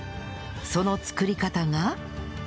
その作り方が